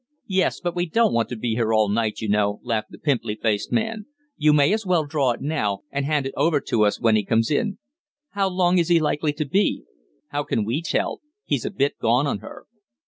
"Yes, but we don't want to be here all night, you know," laughed the pimply faced man. "You may as well draw it now, and hand it over to us when he comes in." "How long is he likely to be?" "How can we tell? He's a bit gone on her."